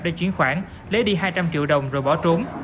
để chuyển khoản lấy đi hai trăm linh triệu đồng rồi bỏ trốn